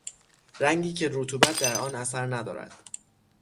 رنگی که رطوبت در آن اثر ندارد